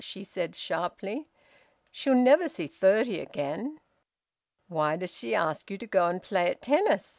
she said sharply. "She'll never see thirty again! ... Why does she ask you to go and play at tennis?